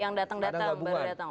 yang datang datang baru datang